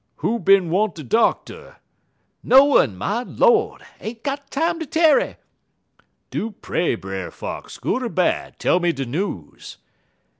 "'Who bin want de doctor?' "'No'ne, my Lord! Ain't got time ter tarry!' "'Do pray, Brer Fox, good er bad, tell me de news.'